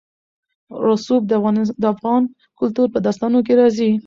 رسوب د افغان کلتور په داستانونو کې راځي.